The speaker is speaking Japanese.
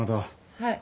はい。